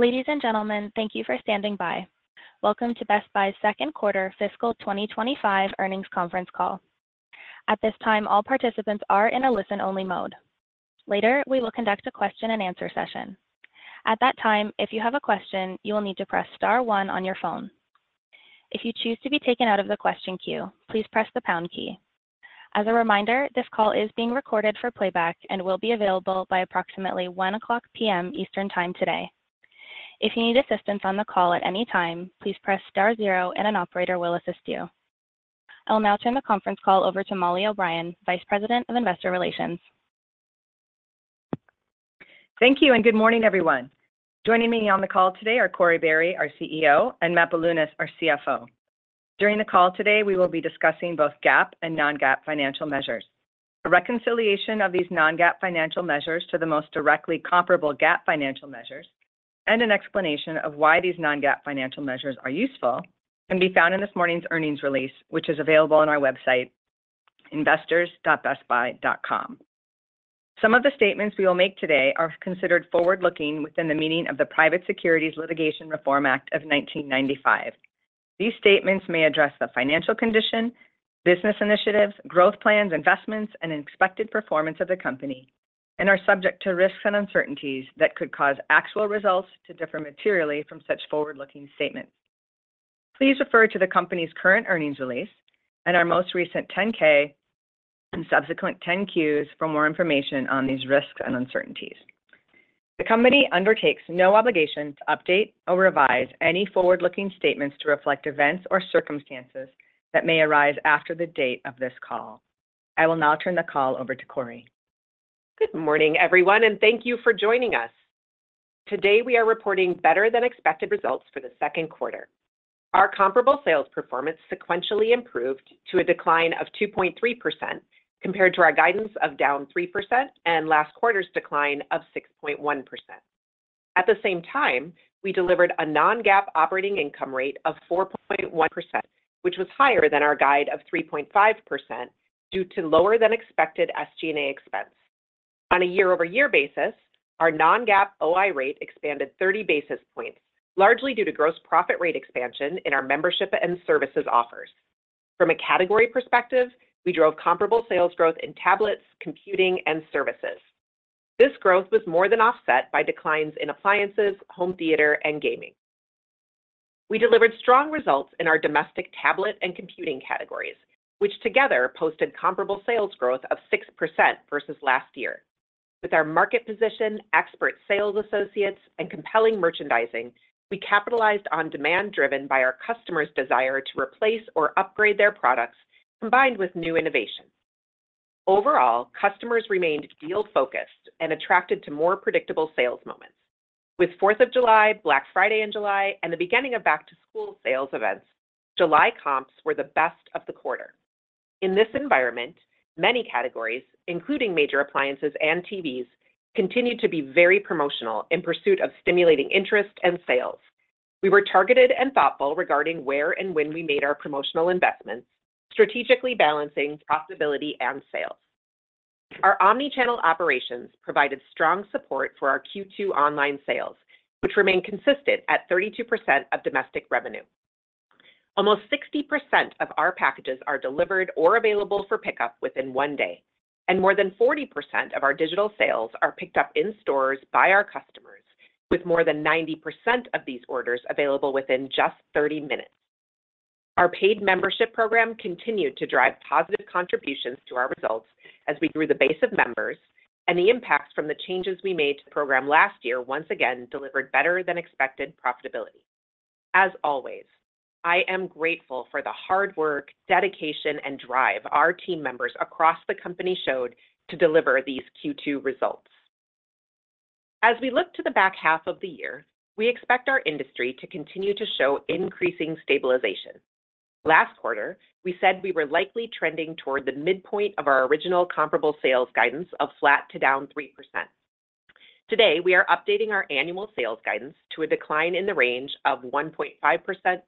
Ladies and gentlemen, thank you for standing by. Welcome to Best Buy's second quarter fiscal 2025 earnings conference call. At this time, all participants are in a listen-only mode. Later, we will conduct a question-and-answer session. At that time, if you have a question, you will need to press star one on your phone. If you choose to be taken out of the question queue, please press the pound key. As a reminder, this call is being recorded for playback and will be available by approximately 1:00 P.M. Eastern Time today. If you need assistance on the call at any time, please press star zero and an operator will assist you. I will now turn the conference call over to Mollie O’Brien, Vice President of Investor Relations. Thank you, and good morning, everyone. Joining me on the call today are Corie Barry, our CEO, and Matt Bilunas, our CFO. During the call today, we will be discussing both GAAP and non-GAAP financial measures. A reconciliation of these non-GAAP financial measures to the most directly comparable GAAP financial measures, and an explanation of why these non-GAAP financial measures are useful, can be found in this morning's earnings release, which is available on our website, investors.bestbuy.com. Some of the statements we will make today are considered forward-looking within the meaning of the Private Securities Litigation Reform Act of 1995. These statements may address the financial condition, business initiatives, growth plans, investments, and expected performance of the company and are subject to risks and uncertainties that could cause actual results to differ materially from such forward-looking statements. Please refer to the company's current earnings release and our most recent 10-K and subsequent 10-Qs for more information on these risks and uncertainties. The company undertakes no obligation to update or revise any forward-looking statements to reflect events or circumstances that may arise after the date of this call. I will now turn the call over to Corie. Good morning, everyone, and thank you for joining us. Today, we are reporting better-than-expected results for the second quarter. Our comparable sales performance sequentially improved to a decline of 2.3%, compared to our guidance of down 3% and last quarter's decline of 6.1%. At the same time, we delivered a non-GAAP operating income rate of 4.1%, which was higher than our guide of 3.5%, due to lower-than-expected SG&A expense. On a year-over-year basis, our non-GAAP OI rate expanded 30 basis points, largely due to gross profit rate expansion in our membership and services offers. From a category perspective, we drove comparable sales growth in tablets, computing, and services. This growth was more than offset by declines in appliances, home theater, and gaming. We delivered strong results in our domestic tablet and computing categories, which together posted comparable sales growth of 6% versus last year. With our market position, expert sales associates, and compelling merchandising, we capitalized on demand driven by our customers' desire to replace or upgrade their products, combined with new innovations. Overall, customers remained deal-focused and attracted to more predictable sales moments. With Fourth of July, Black Friday in July, and the beginning of back-to-school sales events, July comps were the best of the quarter. In this environment, many categories, including major appliances and TVs, continued to be very promotional in pursuit of stimulating interest and sales. We were targeted and thoughtful regarding where and when we made our promotional investments, strategically balancing profitability and sales. Our omni-channel operations provided strong support for our Q2 online sales, which remain consistent at 32% of domestic revenue. Almost 60% of our packages are delivered or available for pickup within one day, and more than 40% of our digital sales are picked up in stores by our customers, with more than 90% of these orders available within just 30 minutes. Our paid membership program continued to drive positive contributions to our results as we grew the base of members, and the impacts from the changes we made to the program last year once again delivered better-than-expected profitability. As always, I am grateful for the hard work, dedication, and drive our team members across the company showed to deliver these Q2 results. As we look to the back half of the year, we expect our industry to continue to show increasing stabilization. Last quarter, we said we were likely trending toward the midpoint of our original comparable sales guidance of flat to down 3%. Today, we are updating our annual sales guidance to a decline in the range of 1.5%-3%.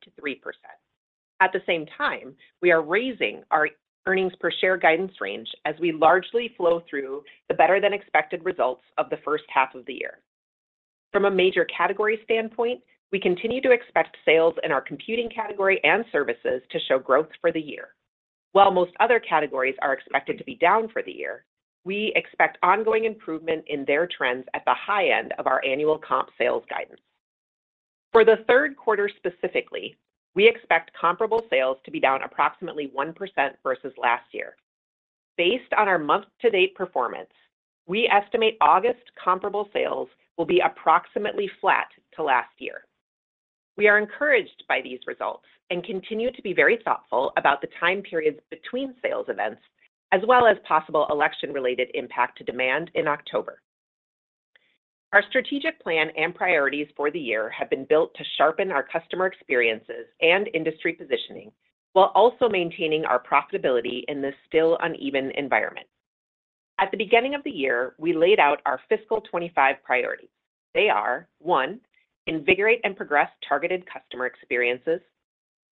At the same time, we are raising our earnings per share guidance range as we largely flow through the better-than-expected results of the first half of the year. From a major category standpoint, we continue to expect sales in our computing category and services to show growth for the year. While most other categories are expected to be down for the year, we expect ongoing improvement in their trends at the high end of our annual comp sales guidance. For the third quarter specifically, we expect comparable sales to be down approximately 1% versus last year. Based on our month-to-date performance, we estimate August comparable sales will be approximately flat to last year. We are encouraged by these results and continue to be very thoughtful about the time periods between sales events, as well as possible election-related impact to demand in October. Our strategic plan and priorities for the year have been built to sharpen our customer experiences and industry positioning while also maintaining our profitability in this still uneven environment. At the beginning of the year, we laid out our fiscal 2025 priorities. They are, one, invigorate and progress targeted customer experiences.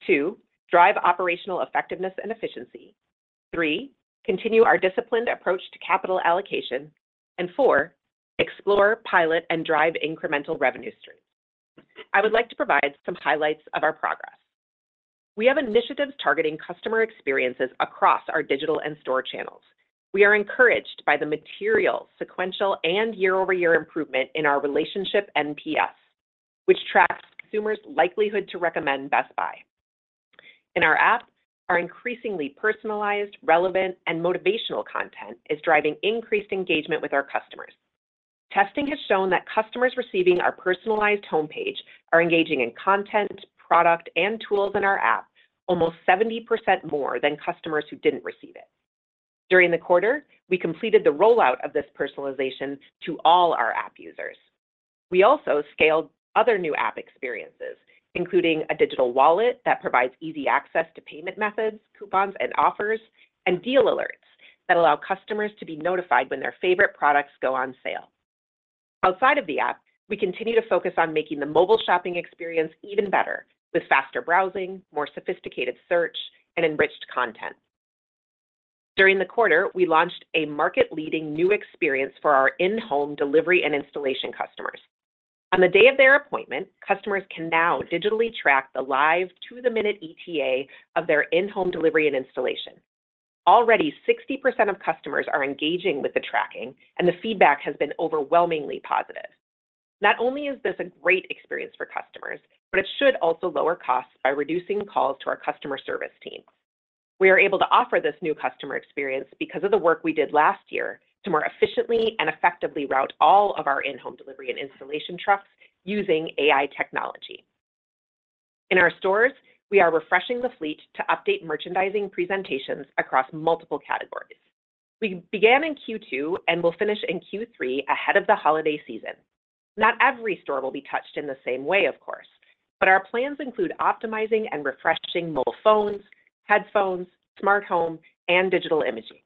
Two, drive operational effectiveness and efficiency. Three, continue our disciplined approach to capital allocation. And four, explore, pilot, and drive incremental revenue streams. I would like to provide some highlights of our progress. We have initiatives targeting customer experiences across our digital and store channels. We are encouraged by the material, sequential, and year-over-year improvement in our relationship NPS, which tracks consumers' likelihood to recommend Best Buy. In our app, our increasingly personalized, relevant, and motivational content is driving increased engagement with our customers. Testing has shown that customers receiving our personalized homepage are engaging in content, product, and tools in our app almost 70% more than customers who didn't receive it. During the quarter, we completed the rollout of this personalization to all our app users. We also scaled other new app experiences, including a digital wallet that provides easy access to payment methods, coupons, and offers, and deal alerts that allow customers to be notified when their favorite products go on sale. Outside of the app, we continue to focus on making the mobile shopping experience even better, with faster browsing, more sophisticated search, and enriched content. During the quarter, we launched a market-leading new experience for our in-home delivery and installation customers. On the day of their appointment, customers can now digitally track the live to-the-minute ETA of their in-home delivery and installation. Already, 60% of customers are engaging with the tracking, and the feedback has been overwhelmingly positive. Not only is this a great experience for customers, but it should also lower costs by reducing calls to our customer service team. We are able to offer this new customer experience because of the work we did last year to more efficiently and effectively route all of our in-home delivery and installation trucks using AI technology. In our stores, we are refreshing the fleet to update merchandising presentations across multiple categories. We began in Q2 and will finish in Q3 ahead of the holiday season. Not every store will be touched in the same way, of course, but our plans include optimizing and refreshing mobile phones, headphones, smart home, and digital imaging,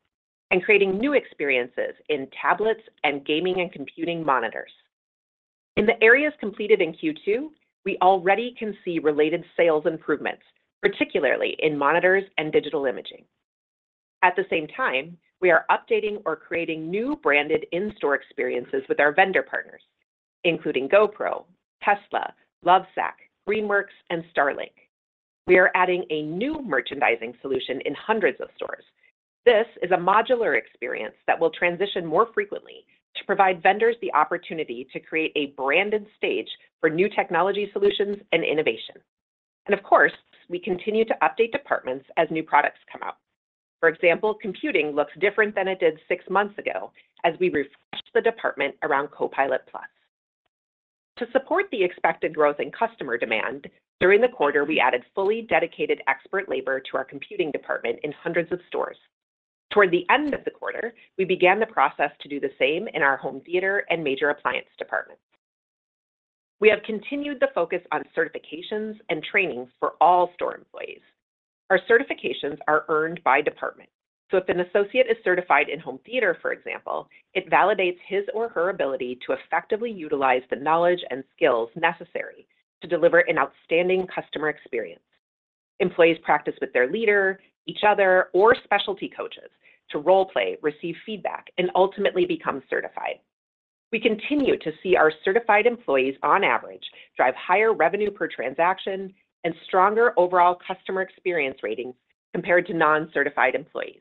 and creating new experiences in tablets and gaming and computing monitors. In the areas completed in Q2, we already can see related sales improvements, particularly in monitors and digital imaging. At the same time, we are updating or creating new branded in-store experiences with our vendor partners, including GoPro, Tesla, Lovesac, Greenworks, and Starlink. We are adding a new merchandising solution in hundreds of stores. This is a modular experience that will transition more frequently to provide vendors the opportunity to create a branded stage for new technology solutions and innovation. And of course, we continue to update departments as new products come out. For example, computing looks different than it did six months ago as we refreshed the department around Copilot+. To support the expected growth in customer demand, during the quarter, we added fully dedicated expert labor to our computing department in hundreds of stores. Toward the end of the quarter, we began the process to do the same in our home theater and major appliance departments. We have continued the focus on certifications and trainings for all store employees. Our certifications are earned by department, so if an associate is certified in home theater, for example, it validates his or her ability to effectively utilize the knowledge and skills necessary to deliver an outstanding customer experience. Employees practice with their leader, each other, or specialty coaches to role-play, receive feedback, and ultimately become certified. We continue to see our certified employees, on average, drive higher revenue per transaction and stronger overall customer experience ratings compared to non-certified employees.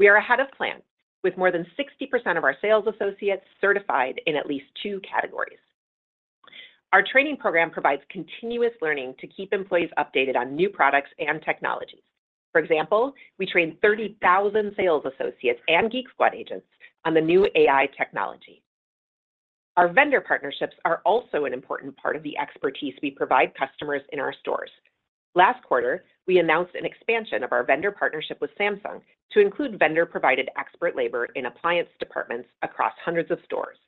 We are ahead of plan, with more than 60% of our sales associates certified in at least two categories. Our training program provides continuous learning to keep employees updated on new products and technologies. For example, we trained 30,000 sales associates and Geek Squad agents on the new AI technology. Our vendor partnerships are also an important part of the expertise we provide customers in our stores. Last quarter, we announced an expansion of our vendor partnership with Samsung to include vendor-provided expert labor in appliance departments across hundreds of stores.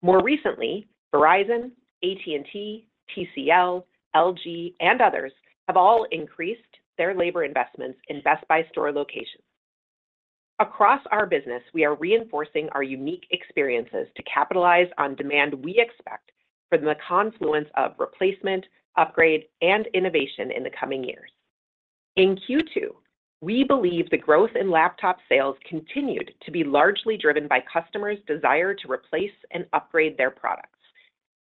More recently, Verizon, AT&T, TCL, LG, and others have all increased their labor investments in Best Buy store locations. Across our business, we are reinforcing our unique experiences to capitalize on demand we expect from the confluence of replacement, upgrade, and innovation in the coming years. In Q2, we believe the growth in laptop sales continued to be largely driven by customers' desire to replace and upgrade their products.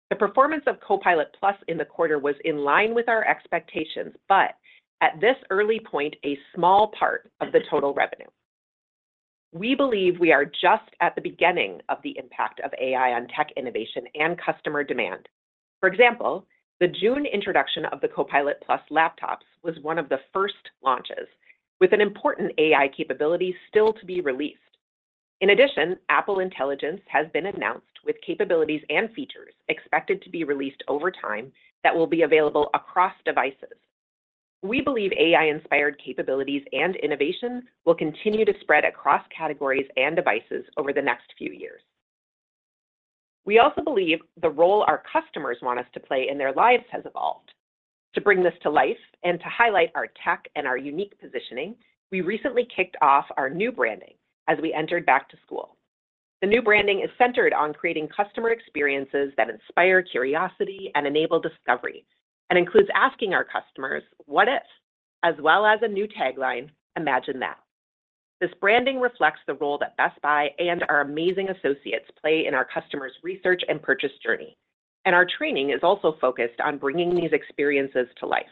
The performance of Copilot+ in the quarter was in line with our expectations, but at this early point, a small part of the Total revenue. We believe we are just at the beginning of the impact of AI on tech innovation and customer demand. For example, the June introduction of the Copilot+ laptops was one of the first launches, with an important AI capability still to be released. In addition, Apple Intelligence has been announced with capabilities and features expected to be released over time that will be available across devices. We believe AI-inspired capabilities and innovations will continue to spread across categories and devices over the next few years. We also believe the role our customers want us to play in their lives has evolved. To bring this to life and to highlight our tech and our unique positioning, we recently kicked off our new branding as we entered back to school. The new branding is centered on creating customer experiences that inspire curiosity and enable discovery, and includes asking our customers, "What if?" As well as a new tagline, "Imagine that." This branding reflects the role that Best Buy and our amazing associates play in our customers' research and purchase journey, and our training is also focused on bringing these experiences to life.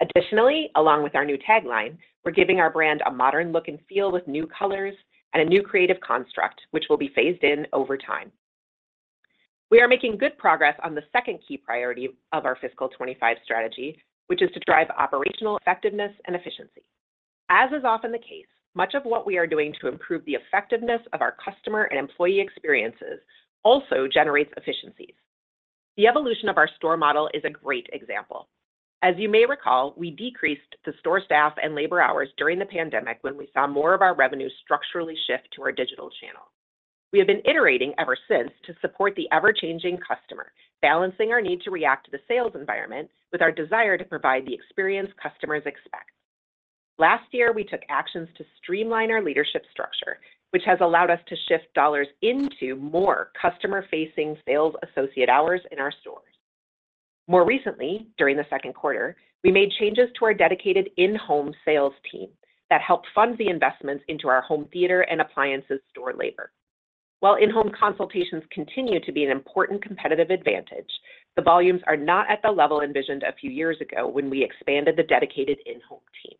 Additionally, along with our new tagline, we're giving our brand a modern look and feel with new colors and a new creative construct, which will be phased in over time. We are making good progress on the second key priority of our fiscal 2025 strategy, which is to drive operational effectiveness and efficiency. As is often the case, much of what we are doing to improve the effectiveness of our customer and employee experiences also generates efficiencies. The evolution of our store model is a great example. As you may recall, we decreased the store staff and labor hours during the pandemic, when we saw more of our revenue structurally shift to our digital channel. We have been iterating ever since to support the ever-changing customer, balancing our need to react to the sales environment with our desire to provide the experience customers expect. Last year, we took actions to streamline our leadership structure, which has allowed us to shift dollars into more customer-facing sales associate hours in our stores. More recently, during the second quarter, we made changes to our dedicated in-home sales team that helped fund the investments into our home theater and appliances store labor. While in-home consultations continue to be an important competitive advantage, the volumes are not at the level envisioned a few years ago when we expanded the dedicated in-home team.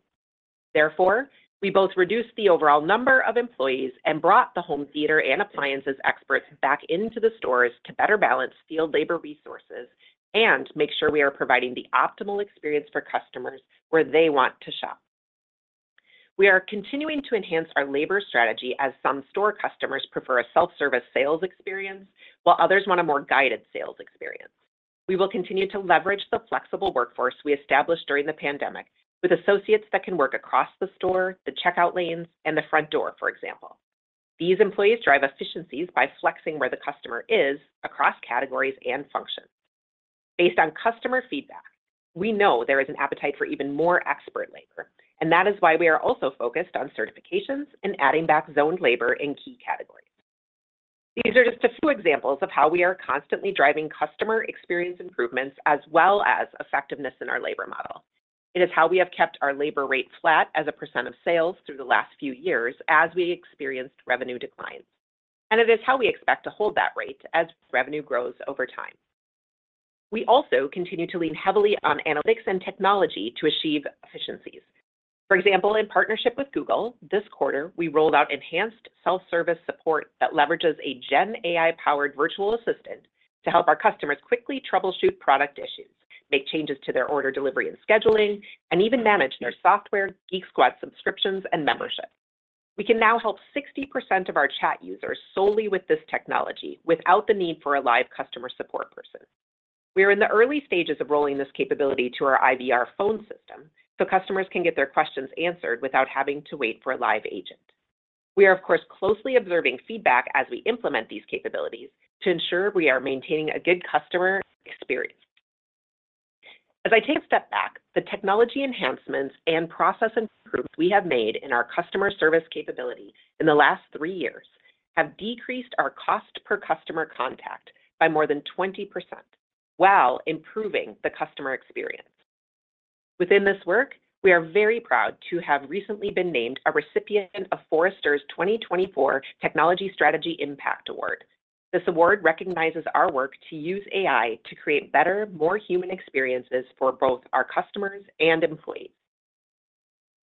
Therefore, we both reduced the overall number of employees and brought the home theater and appliances experts back into the stores to better balance field labor resources and make sure we are providing the optimal experience for customers where they want to shop. We are continuing to enhance our labor strategy as some store customers prefer a self-service sales experience, while others want a more guided sales experience. We will continue to leverage the flexible workforce we established during the pandemic with associates that can work across the store, the checkout lanes, and the front door, for example. These employees drive efficiencies by flexing where the customer is across categories and functions. Based on customer feedback, we know there is an appetite for even more expert labor, and that is why we are also focused on certifications and adding back zoned labor in key categories. These are just a few examples of how we are constantly driving customer experience improvements as well as effectiveness in our labor model. It is how we have kept our labor rate flat as a % of sales through the last few years as we experienced revenue declines, and it is how we expect to hold that rate as revenue grows over time. We also continue to lean heavily on analytics and technology to achieve efficiencies. For example, in partnership with Google, this quarter we rolled out enhanced self-service support that leverages a Gen AI-powered virtual assistant to help our customers quickly troubleshoot product issues, make changes to their order delivery and scheduling, and even manage their software, Geek Squad subscriptions, and membership. We can now help 60% of our chat users solely with this technology without the need for a live customer support person. We are in the early stages of rolling this capability to our IVR phone system, so customers can get their questions answered without having to wait for a live agent. We are, of course, closely observing feedback as we implement these capabilities to ensure we are maintaining a good customer experience. As I take a step back, the technology enhancements and process improvements we have made in our customer service capability in the last three years have decreased our cost per customer contact by more than 20%, while improving the customer experience. Within this work, we are very proud to have recently been named a recipient of Forrester's 2024 Technology Strategy Impact Award. This award recognizes our work to use AI to create better, more human experiences for both our customers and employees.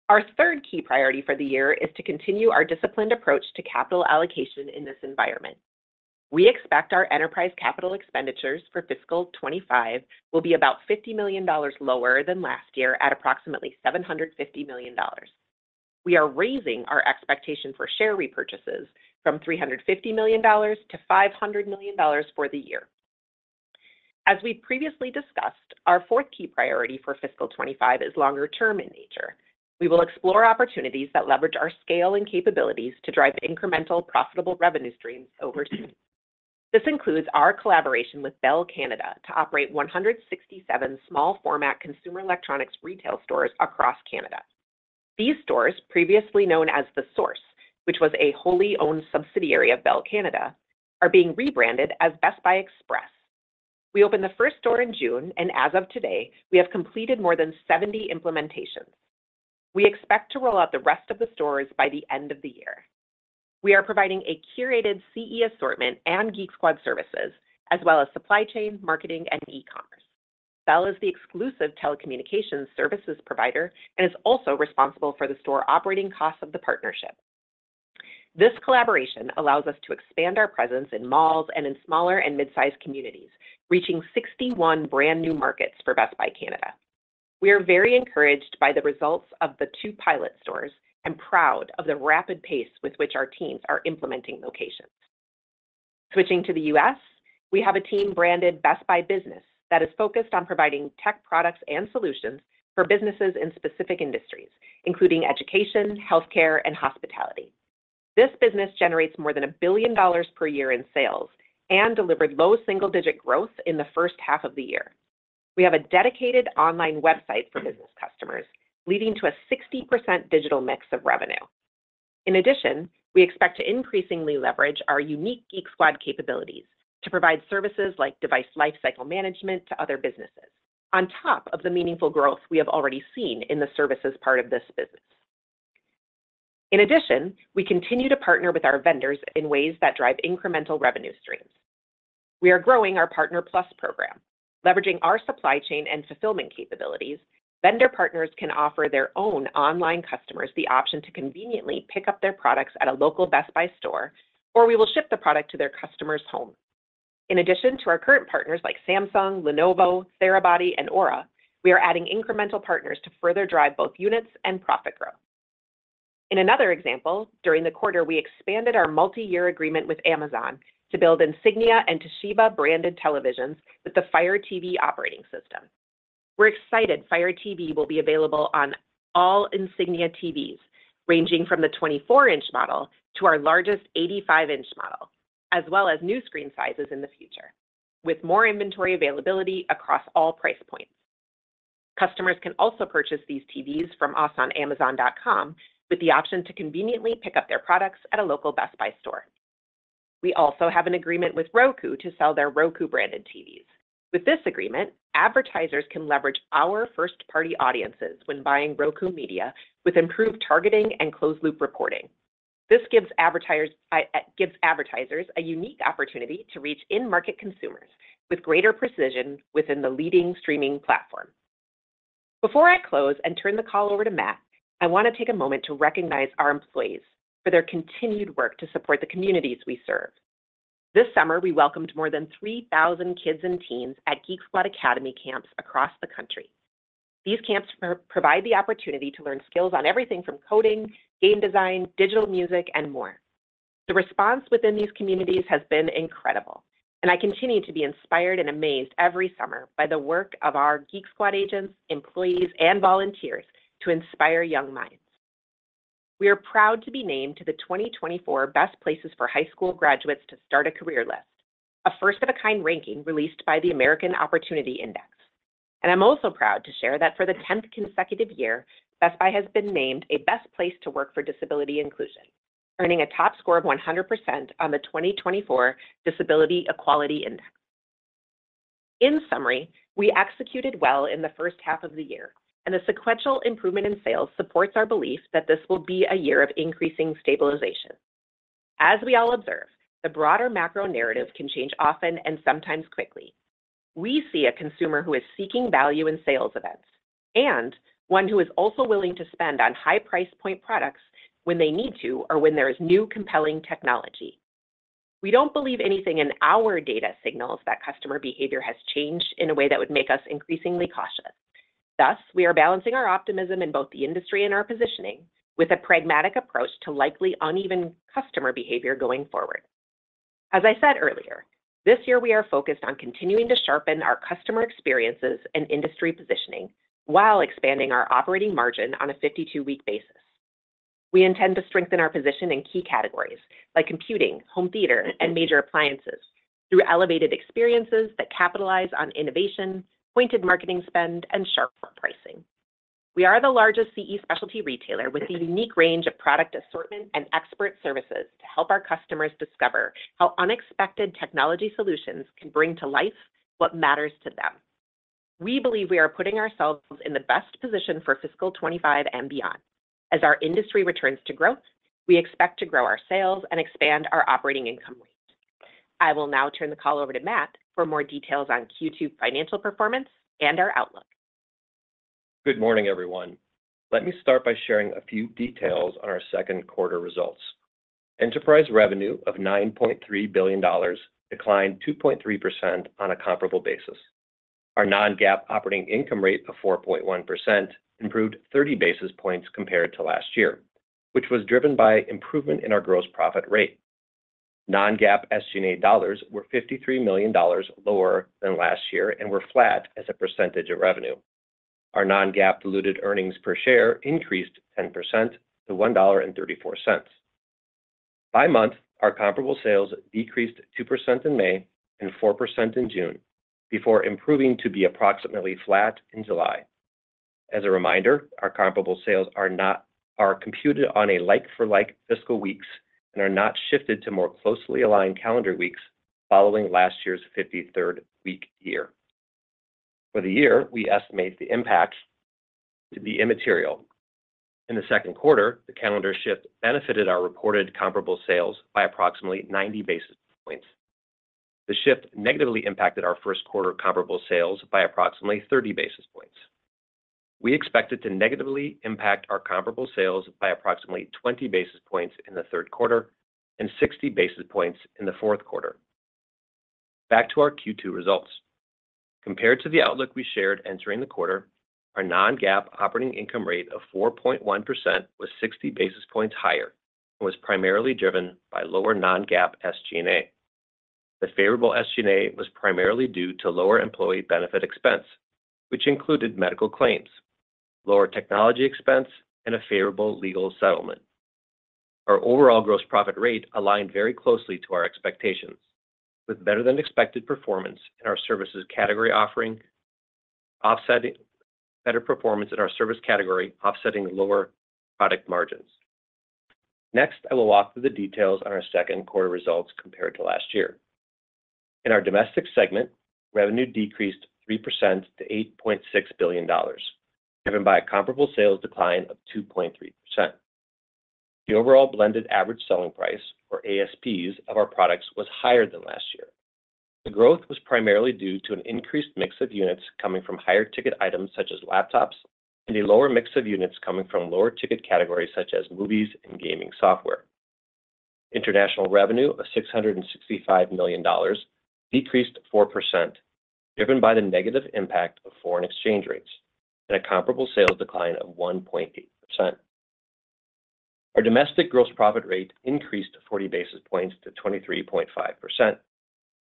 Our third key priority for the year is to continue our disciplined approach to capital allocation in this environment. We expect our enterprise capital expenditures for fiscal 2025 will be about $50 million lower than last year at approximately $750 million. We are raising our expectation for share repurchases from $350 million to $500 million for the year. As we previously discussed, our fourth key priority for fiscal 2025 is longer term in nature. We will explore opportunities that leverage our scale and capabilities to drive incremental, profitable revenue streams over time. This includes our collaboration with Bell Canada to operate 167 small-format consumer electronics retail stores across Canada. These stores, previously known as The Source, which was a wholly-owned subsidiary of Bell Canada, are being rebranded as Best Buy Express. We opened the first store in June, and as of today, we have completed more than 70 implementations. We expect to roll out the rest of the stores by the end of the year. We are providing a curated CE assortment and Geek Squad services, as well as supply chain, marketing, and e-commerce. Bell is the exclusive telecommunications services provider and is also responsible for the store operating costs of the partnership. This collaboration allows us to expand our presence in malls and in smaller and mid-sized communities, reaching 61 brand-new markets for Best Buy Canada. We are very encouraged by the results of the two pilot stores and proud of the rapid pace with which our teams are implementing locations. Switching to the U.S., we have a team branded Best Buy Business that is focused on providing tech products and solutions for businesses in specific industries, including education, healthcare, and hospitality. This business generates more than $1 billion per year in sales and delivered low double-digit growth in the first half of the year. We have a dedicated online website for business customers, leading to a 60% digital mix of revenue. In addition, we expect to increasingly leverage our unique Geek Squad capabilities to provide services like device lifecycle management to other businesses. On top of the meaningful growth we have already seen in the services part of this business. In addition, we continue to partner with our vendors in ways that drive incremental revenue streams. We are growing our Partner+ program, leveraging our supply chain and fulfillment capabilities, vendor partners can offer their own online customers the option to conveniently pick up their products at a local Best Buy store, or we will ship the product to their customer's home. In addition to our current partners like Samsung, Lenovo, Therabody, and Aura, we are adding incremental partners to further drive both units and profit growth. In another example, during the quarter, we expanded our multi-year agreement with Amazon to build Insignia and Toshiba-branded televisions with the Fire TV operating system. We're excited Fire TV will be available on all Insignia TVs, ranging from the 24-inch model to our largest 85-inch model, as well as new screen sizes in the future, with more inventory availability across all price points. Customers can also purchase these TVs from us on Amazon.com, with the option to conveniently pick up their products at a local Best Buy store. We also have an agreement with Roku to sell their Roku-branded TVs. With this agreement, advertisers can leverage our first-party audiences when buying Roku media with improved targeting and closed-loop reporting. This gives advertisers a unique opportunity to reach in-market consumers with greater precision within the leading streaming platform. Before I close and turn the call over to Matt, I want to take a moment to recognize our employees for their continued work to support the communities we serve. This summer, we welcomed more than three thousand kids and teens at Geek Squad Academy camps across the country. These camps provide the opportunity to learn skills on everything from coding, game design, digital music, and more. The response within these communities has been incredible, and I continue to be inspired and amazed every summer by the work of our Geek Squad agents, employees, and volunteers to inspire young minds. We are proud to be named to the "Twenty Twenty-Four Best Places for High School Graduates to Start a Career" list, a first-of-its-kind ranking released by the American Opportunity Index. I'm also proud to share that for the tenth consecutive year, Best Buy has been named a best place to work for disability inclusion, earning a top score of 100% on the 2024 Disability Equality Index. In summary, we executed well in the first half of the year, and the sequential improvement in sales supports our belief that this will be a year of increasing stabilization. As we all observe, the broader macro narrative can change often and sometimes quickly. We see a consumer who is seeking value in sales events and one who is also willing to spend on high price point products when they need to or when there is new, compelling technology. We don't believe anything in our data signals that customer behavior has changed in a way that would make us increasingly cautious. Thus, we are balancing our optimism in both the industry and our positioning with a pragmatic approach to likely uneven customer behavior going forward. As I said earlier, this year we are focused on continuing to sharpen our customer experiences and industry positioning while expanding our operating margin on a 52-week basis. We intend to strengthen our position in key categories like computing, home theater, and major appliances through elevated experiences that capitalize on innovation, pointed marketing spend, and sharp pricing. We are the largest CE specialty retailer with a unique range of product assortment and expert services to help our customers discover how unexpected technology solutions can bring to life what matters to them. We believe we are putting ourselves in the best position for fiscal 2025 and beyond. As our industry returns to growth, we expect to grow our sales and expand our operating income rate. I will now turn the call over to Matt for more details on Q2 financial performance and our outlook. Good morning, everyone. Let me start by sharing a few details on our second quarter results. Enterprise revenue of $9.3 billion declined 2.3% on a comparable basis. Our non-GAAP operating income rate of 4.1% improved 30 basis points compared to last year, which was driven by improvement in our gross profit rate. Non-GAAP SG&A dollars were $53 million lower than last year and were flat as a percentage of revenue. Our non-GAAP diluted earnings per share increased 10% to $1.34. By month, our comparable sales decreased 2% in May and 4% in June, before improving to be approximately flat in July. As a reminder, our comparable sales are computed on a like-for-like fiscal weeks and are not shifted to more closely aligned calendar weeks following last year's 53rd week year. For the year, we estimate the impact to be immaterial. In the second quarter, the calendar shift benefited our reported comparable sales by approximately ninety basis points. The shift negatively impacted our first quarter comparable sales by approximately thirty basis points. We expect it to negatively impact our comparable sales by approximately twenty basis points in the third quarter and sixty basis points in the fourth quarter. Back to our Q2 results. Compared to the outlook we shared entering the quarter, our non-GAAP operating income rate of 4.1% was sixty basis points higher and was primarily driven by lower non-GAAP SG&A. The favorable SG&A was primarily due to lower employee benefit expense, which included medical claims, lower technology expense, and a favorable legal settlement. Our overall gross profit rate aligned very closely to our expectations, with better than expected performance in our services category, offsetting lower product margins. Next, I will walk through the details on our second quarter results compared to last year. In our domestic segment, revenue decreased 3% to $8.6 billion, driven by a comparable sales decline of 2.3%. The overall blended average selling price, or ASPs, of our products was higher than last year. The growth was primarily due to an increased mix of units coming from higher ticket items, such as laptops, and a lower mix of units coming from lower ticket categories, such as movies and gaming software. International revenue of $665 million decreased 4%, driven by the negative impact of foreign exchange rates and a comparable sales decline of 1.8%. Our domestic gross profit rate increased 40 basis points to 23.5%. The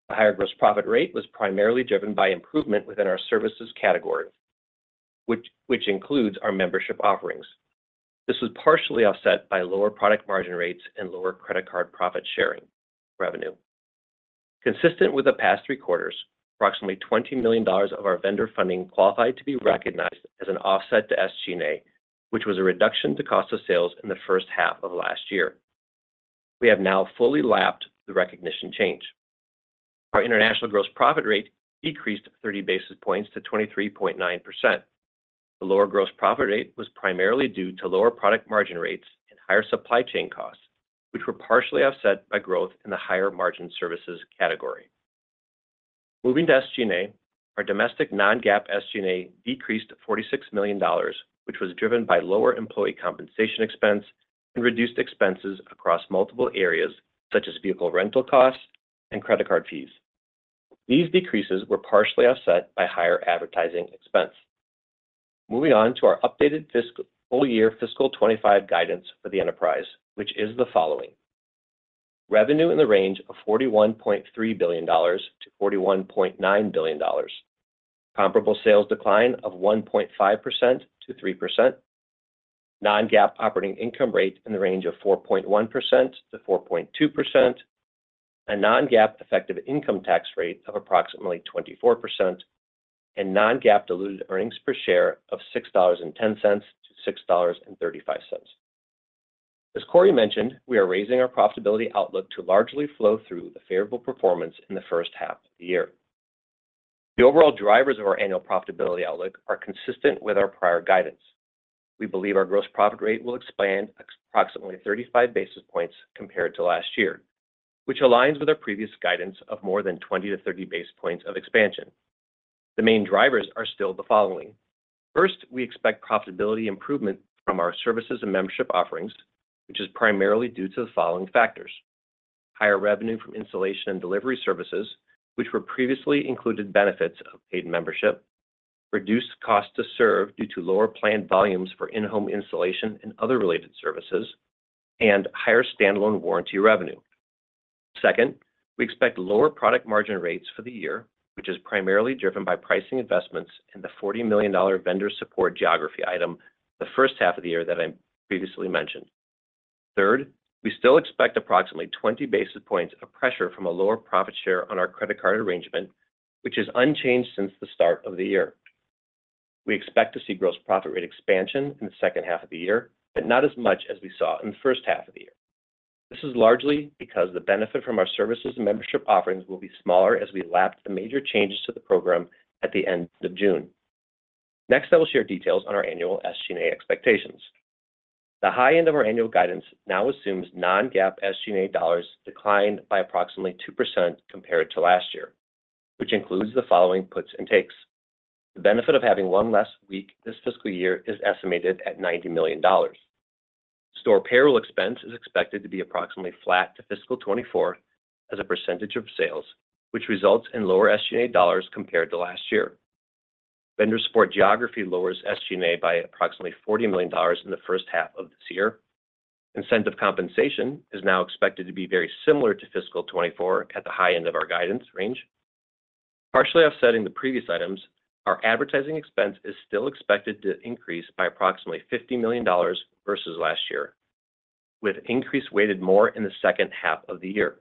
higher gross profit rate was primarily driven by improvement within our services category, which includes our membership offerings. This was partially offset by lower product margin rates and lower credit card profit-sharing revenue. Consistent with the past three quarters, approximately $20 million of our vendor funding qualified to be recognized as an offset to SG&A, which was a reduction to cost of sales in the first half of last year. We have now fully lapped the recognition change. Our international gross profit rate decreased 30 basis points to 23.9%. The lower gross profit rate was primarily due to lower product margin rates and higher supply chain costs, which were partially offset by growth in the higher margin services category. Moving to SG&A, our domestic non-GAAP SG&A decreased $46 million, which was driven by lower employee compensation expense and reduced expenses across multiple areas such as vehicle rental costs and credit card fees. These decreases were partially offset by higher advertising expense. Moving on to our updated full year fiscal twenty-five guidance for the enterprise, which is the following: revenue in the range of $41.3 billion-$41.9 billion. Comparable sales decline of 1.5% to 3%. Non-GAAP operating income rate in the range of 4.1%-4.2%. A Non-GAAP effective income tax rate of approximately 24%, and Non-GAAP diluted earnings per share of $6.10 to $6.35. As Corie mentioned, we are raising our profitability outlook to largely flow through the favorable performance in the first half of the year. The overall drivers of our annual profitability outlook are consistent with our prior guidance. We believe our gross profit rate will expand approximately 35 basis points compared to last year, which aligns with our previous guidance of more than 20 to 30 basis points of expansion. The main drivers are still the following. First, we expect profitability improvement from our services and membership offerings, which is primarily due to the following factors: higher revenue from installation and delivery services, which were previously included benefits of paid membership. Reduced cost to serve due to lower planned volumes for in-home installation and other related services, and higher standalone warranty revenue. Second, we expect lower product margin rates for the year, which is primarily driven by pricing investments and the $40 million vendor support geography item the first half of the year that I previously mentioned. Third, we still expect approximately twenty basis points of pressure from a lower profit share on our credit card arrangement, which is unchanged since the start of the year. We expect to see gross profit rate expansion in the second half of the year, but not as much as we saw in the first half of the year. This is largely because the benefit from our services and membership offerings will be smaller as we lap the major changes to the program at the end of June. Next, I will share details on our annual SG&A expectations. The high end of our annual guidance now assumes non-GAAP SG&A dollars declined by approximately 2% compared to last year, which includes the following puts and takes. The benefit of having one less week this fiscal year is estimated at $90 million. Store payroll expense is expected to be approximately flat to fiscal 2024 as a percentage of sales, which results in lower SG&A dollars compared to last year. Vendor support geography lowers SG&A by approximately $40 million in the first half of this year. Incentive compensation is now expected to be very similar to fiscal 2024 at the high end of our guidance range. Partially offsetting the previous items, our advertising expense is still expected to increase by approximately $50 million versus last year, with increase weighted more in the second half of the year.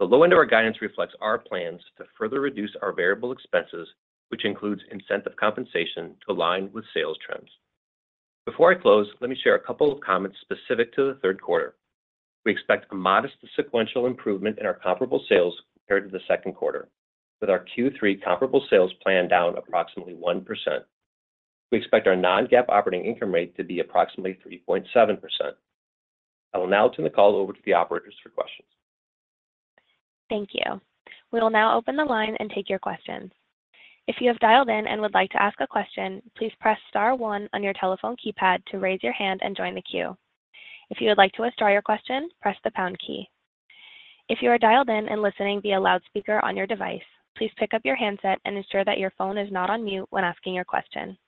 The low end of our guidance reflects our plans to further reduce our variable expenses, which includes incentive compensation to align with sales trends. Before I close, let me share a couple of comments specific to the third quarter. We expect a modest sequential improvement in our comparable sales compared to the second quarter, with our Q3 comparable sales planned down approximately 1%. We expect our Non-GAAP operating income rate to be approximately 3.7%. I will now turn the call over to the operators for questions. Thank you. We will now open the line and take your questions. If you have dialed in and would like to ask a question, please press star one on your telephone keypad to raise your hand and join the queue. If you would like to withdraw your question, press the pound key. If you are dialed in and listening via loudspeaker on your device, please pick up your handset and ensure that your phone is not on mute when asking your question.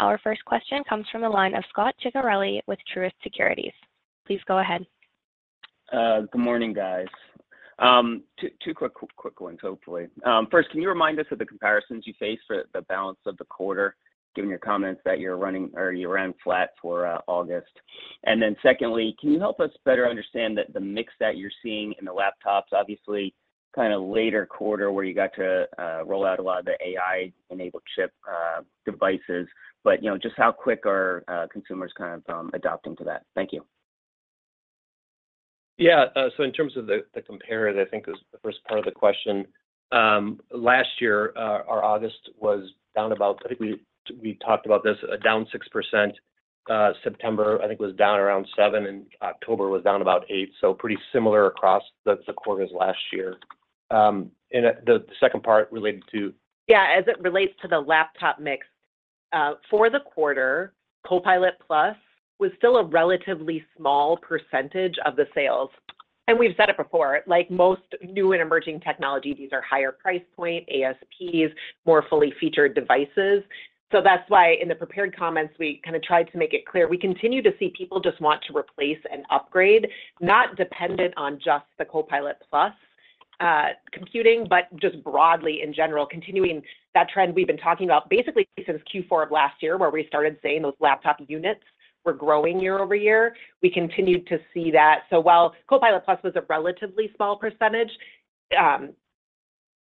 Our first question comes from the line of Scott Ciccarelli with Truist Securities. Please go ahead.... Good morning, guys. Two quick ones, hopefully. First, can you remind us of the comparisons you face for the balance of the quarter, given your comments that you're running or you ran flat for August? And then secondly, can you help us better understand the mix that you're seeing in the laptops? Obviously, kind of later quarter, where you got to roll out a lot of the AI-enabled chip devices, but you know, just how quick are consumers kind of adopting to that? Thank you. Yeah, so in terms of the comp, I think is the first part of the question. Last year, our August was down about, I think we talked about this, down 6%. September, I think, was down around 7%, and October was down about 8%, so pretty similar across the quarters last year. And the second part related to? Yeah, as it relates to the laptop mix, for the quarter, Copilot+ was still a relatively small percentage of the sales. And we've said it before, like most new and emerging technology, these are higher price point, ASPs, more fully featured devices. So that's why, in the prepared comments, we kinda tried to make it clear. We continue to see people just want to replace and upgrade, not dependent on just the Copilot+ computing, but just broadly in general, continuing that trend we've been talking about basically since Q4 of last year, where we started saying those laptop units were growing year over year. We continued to see that. So while Copilot+ was a relatively small percentage,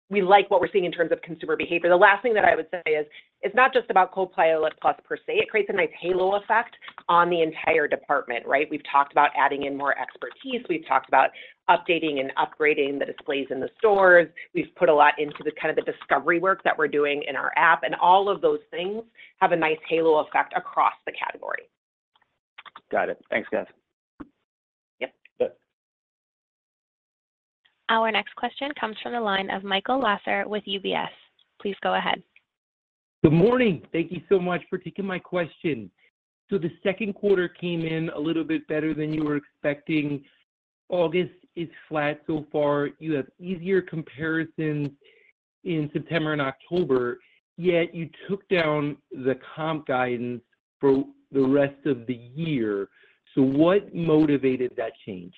we like what we're seeing in terms of consumer behavior. The last thing that I would say is, it's not just about Copilot+ per se. It creates a nice halo effect on the entire department, right? We've talked about adding in more expertise. We've talked about updating and upgrading the displays in the stores. We've put a lot into the kind of discovery work that we're doing in our app, and all of those things have a nice halo effect across the category. Got it. Thanks, guys. Yep. Yep. Our next question comes from the line of Michael Lasser with UBS. Please go ahead. Good morning. Thank you so much for taking my question. So the second quarter came in a little bit better than you were expecting. August is flat so far. You have easier comparisons in September and October, yet you took down the comp guidance for the rest of the year. So what motivated that change?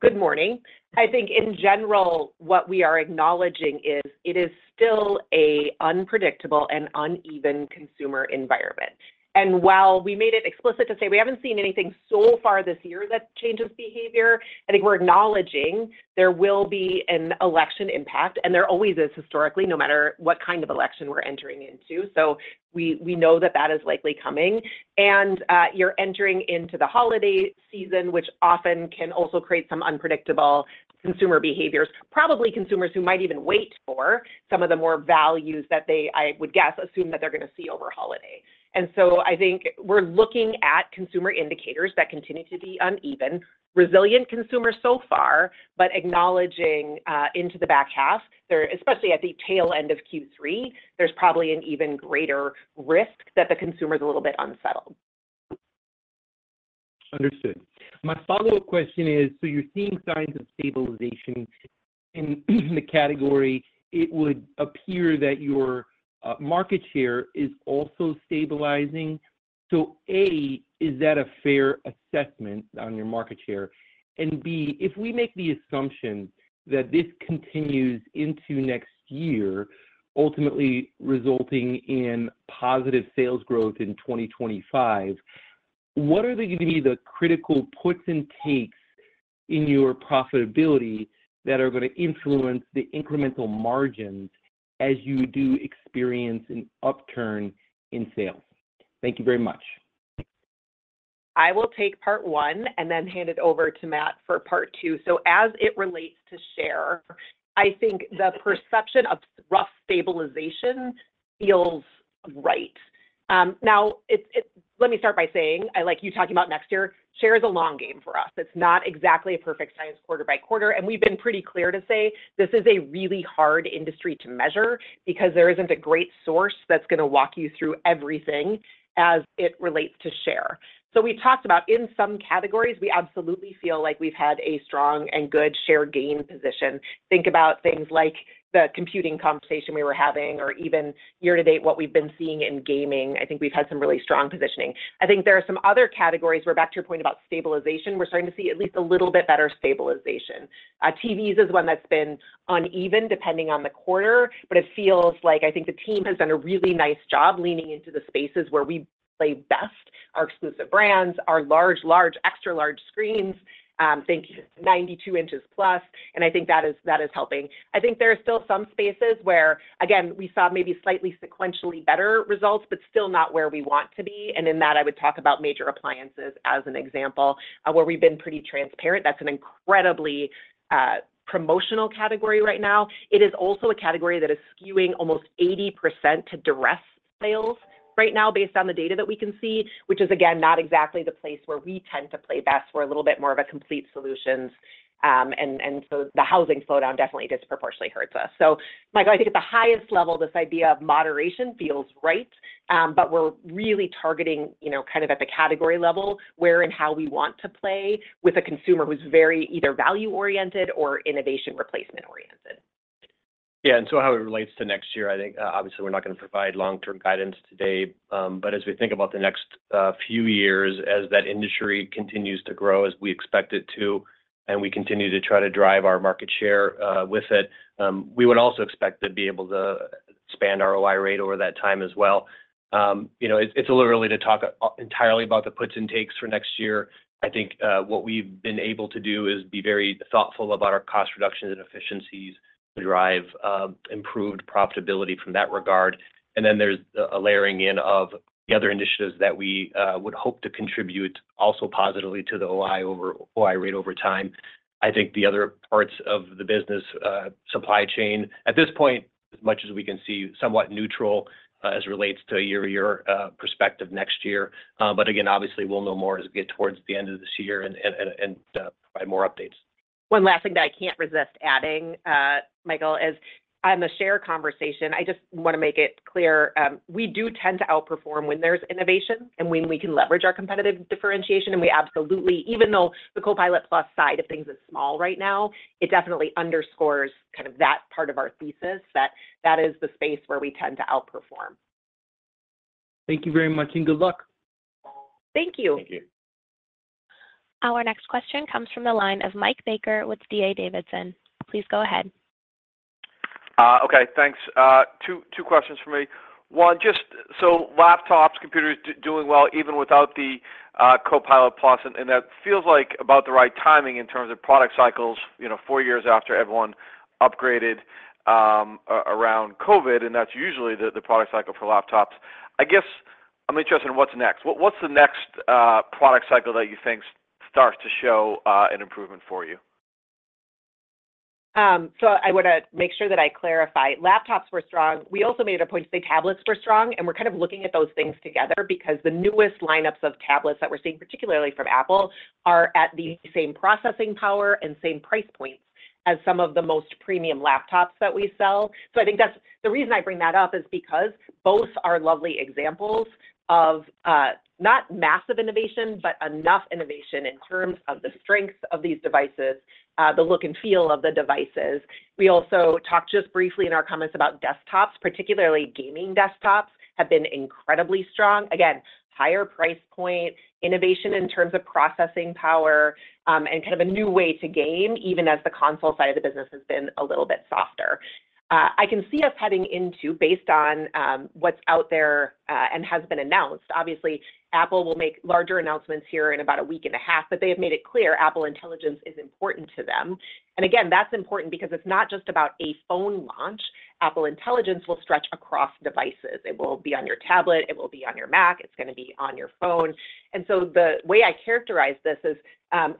Good morning. I think in general, what we are acknowledging is it is still an unpredictable and uneven consumer environment. And while we made it explicit to say we haven't seen anything so far this year that changes behavior, I think we're acknowledging there will be an election impact, and there always is historically, no matter what kind of election we're entering into. So we know that that is likely coming, and you're entering into the holiday season, which often can also create some unpredictable consumer behaviors, probably consumers who might even wait for some of the more values that they, I would guess, assume that they're gonna see over holiday. And so I think we're looking at consumer indicators that continue to be uneven, resilient consumers so far, but acknowledging into the back half, there, especially at the tail end of Q3, there's probably an even greater risk that the consumer is a little bit unsettled. Understood. My follow-up question is, so you're seeing signs of stabilization in the category. It would appear that your market share is also stabilizing. So, A, is that a fair assessment on your market share, and B, if we make the assumption that this continues into next year, ultimately resulting in positive sales growth in 2025, what are gonna be the critical puts and takes in your profitability that are gonna influence the incremental margins as you do experience an upturn in sales? Thank you very much. I will take part one and then hand it over to Matt for part two. So as it relates to share, I think the perception of rough stabilization feels right. Now, let me start by saying, I like you talking about next year, share is a long game for us. It's not exactly a perfect science quarter by quarter, and we've been pretty clear to say this is a really hard industry to measure because there isn't a great source that's gonna walk you through everything as it relates to share. So we've talked about in some categories, we absolutely feel like we've had a strong and good share gain position. Think about things like the computing conversation we were having or even year to date, what we've been seeing in gaming. I think we've had some really strong positioning. I think there are some other categories, where back to your point about stabilization, we're starting to see at least a little bit better stabilization. TVs is one that's been uneven, depending on the quarter, but it feels like I think the team has done a really nice job leaning into the spaces where we play best, our exclusive brands, our large, large, extra large screens, think 92 inches+, and I think that is, that is helping. I think there are still some spaces where, again, we saw maybe slightly sequentially better results, but still not where we want to be. And in that, I would talk about major appliances as an example, where we've been pretty transparent. That's an incredibly promotional category right now. It is also a category that is skewing almost 80% to duress sales right now, based on the data that we can see, which is, again, not exactly the place where we tend to play best. We're a little bit more of a complete solutions. And so the housing slowdown definitely disproportionately hurts us. So Michael, I think at the highest level, this idea of moderation feels right, but we're really targeting, you know, kind of at the category level, where and how we want to play with a consumer who's very either value-oriented or innovation replacement oriented. ... Yeah, and so how it relates to next year, I think, obviously we're not going to provide long-term guidance today. But as we think about the next, few years, as that industry continues to grow, as we expect it to, and we continue to try to drive our market share, with it, we would also expect to be able to expand our OI rate over that time as well. You know, it's a little early to talk entirely about the puts and takes for next year. I think, what we've been able to do is be very thoughtful about our cost reductions and efficiencies to derive, improved profitability from that regard. And then there's a layering in of the other initiatives that we would hope to contribute also positively to the OI rate over time. I think the other parts of the business, supply chain, at this point, as much as we can see, somewhat neutral, as it relates to a year-to-year perspective next year. But again, obviously, we'll know more as we get towards the end of this year and provide more updates. One last thing that I can't resist adding, Michael, is on the share conversation. I just want to make it clear, we do tend to outperform when there's innovation and when we can leverage our competitive differentiation. And we absolutely, even though the Copilot+ side of things is small right now, it definitely underscores kind of that part of our thesis, that that is the space where we tend to outperform. Thank you very much, and good luck. Thank you. Thank you. Our next question comes from the line of Mike Baker with D.A. Davidson. Please go ahead. Okay, thanks. Two questions for me. One, just so laptops, computers doing well, even without the Copilot+, and that feels like about the right timing in terms of product cycles, you know, four years after everyone upgraded around COVID, and that's usually the product cycle for laptops. I guess I'm interested in what's next. What's the next product cycle that you think starts to show an improvement for you? So I want to make sure that I clarify. Laptops were strong. We also made a point to say tablets were strong, and we're kind of looking at those things together because the newest lineups of tablets that we're seeing, particularly from Apple, are at the same processing power and same price points as some of the most premium laptops that we sell. So I think that's the reason I bring that up is because both are lovely examples of not massive innovation, but enough innovation in terms of the strength of these devices, the look and feel of the devices. We also talked just briefly in our comments about desktops, particularly gaming desktops, have been incredibly strong. Again, higher price point, innovation in terms of processing power, and kind of a new way to game, even as the console side of the business has been a little bit softer. I can see us heading into, based on, what's out there, and has been announced, obviously, Apple will make larger announcements here in about a week and a half, but they have made it clear, Apple Intelligence is important to them. And again, that's important because it's not just about a phone launch. Apple Intelligence will stretch across devices. It will be on your tablet, it will be on your Mac, it's going to be on your phone. And so the way I characterize this is,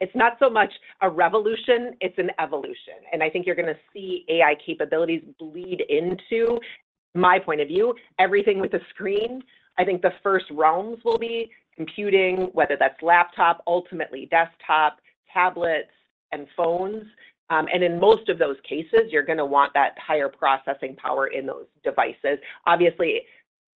it's not so much a revolution, it's an evolution. And I think you're going to see AI capabilities bleed into, my point of view, everything with a screen. I think the first realms will be computing, whether that's laptop, ultimately desktop, tablets, and phones. And in most of those cases, you're going to want that higher processing power in those devices. Obviously,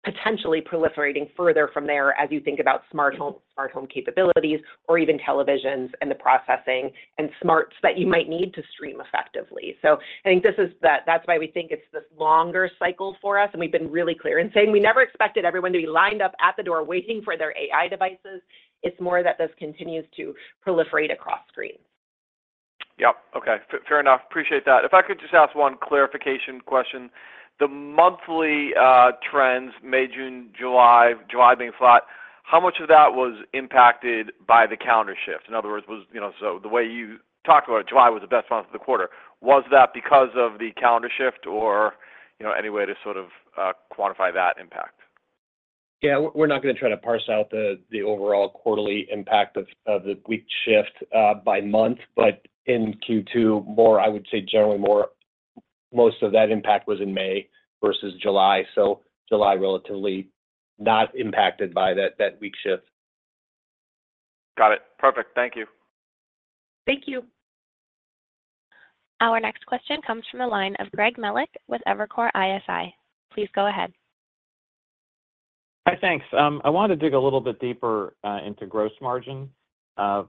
potentially proliferating further from there as you think about smart home, smart home capabilities or even televisions and the processing and smarts that you might need to stream effectively. So I think that's why we think it's this longer cycle for us, and we've been really clear in saying we never expected everyone to be lined up at the door waiting for their AI devices. It's more that this continues to proliferate across screens. Yep. Okay. Fair enough. Appreciate that. If I could just ask one clarification question. The monthly trends, May, June, July, July being flat, how much of that was impacted by the calendar shift? In other words, was you know, so the way you talk about it, July was the best month of the quarter. Was that because of the calendar shift or, you know, any way to sort of quantify that impact? Yeah, we're not going to try to parse out the overall quarterly impact of the week shift by month, but in Q2, more, I would say generally more, most of that impact was in May versus July, so July relatively not impacted by that week shift. Got it. Perfect. Thank you. Thank you. Our next question comes from the line of Greg Melick with Evercore ISI. Please go ahead. Hi, thanks. I wanted to dig a little bit deeper into gross margin. I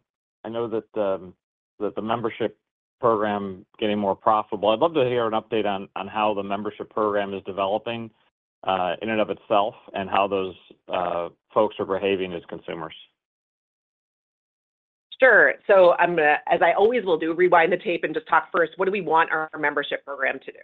know that the membership program getting more profitable. I'd love to hear an update on how the membership program is developing in and of itself and how those folks are behaving as consumers. Sure. So I'm going to, as I always will do, rewind the tape and just talk first, what do we want our membership program to do?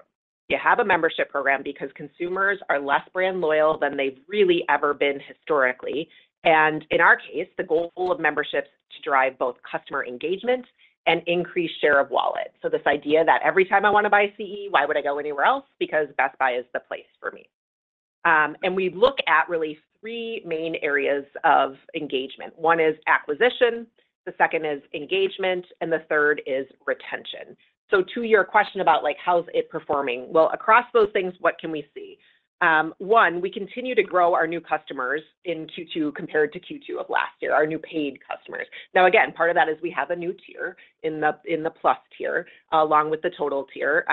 You have a membership program because consumers are less brand loyal than they've really ever been historically. And in our case, the goal of membership is to drive both customer engagement and increase share of wallet. So this idea that every time I want to buy CE, why would I go anywhere else? Because Best Buy is the place for me, and we look at really three main areas of engagement. One is acquisition, the second is engagement, and the third is retention. So to your question about, like, how is it performing, well, across those things, what can we see? One, we continue to grow our new customers in Q2 compared to Q2 of last year, our new paid customers. Now, again, part of that is we have a new tier in the plus tier, along with the total tier.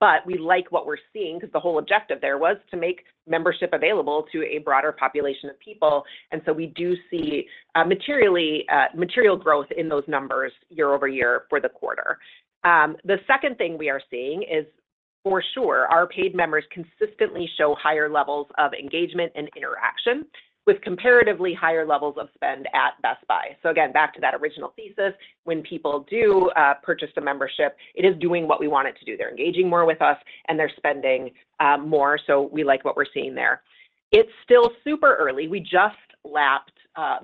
But we like what we're seeing because the whole objective there was to make membership available to a broader population of people. And so we do see material growth in those numbers year over year for the quarter. The second thing we are seeing is for sure, our paid members consistently show higher levels of engagement and interaction with comparatively higher levels of spend at Best Buy. So again, back to that original thesis, when people do purchase the membership, it is doing what we want it to do. They're engaging more with us, and they're spending more, so we like what we're seeing there. It's still super early. We just lapped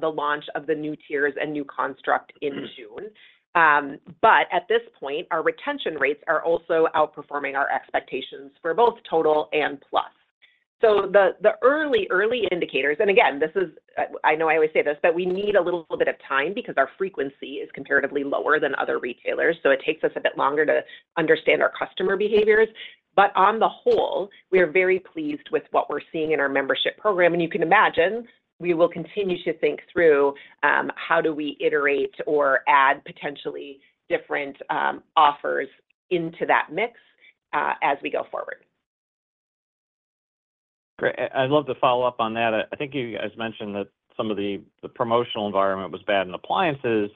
the launch of the new tiers and new construct in June. But at this point, our retention rates are also outperforming our expectations for both Total and Plus. So the early indicators, and again, this is, I know I always say this, but we need a little bit of time because our frequency is comparatively lower than other retailers, so it takes us a bit longer to understand our customer behaviors. But on the whole, we are very pleased with what we're seeing in our membership program, and you can imagine we will continue to think through how do we iterate or add potentially different offers into that mix as we go forward. Great. I'd love to follow up on that. I think you guys mentioned that some of the promotional environment was bad in appliances.